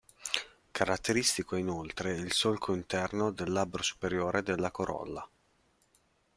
Caratteristico è inoltre il solco interno del labbro superiore della corolla.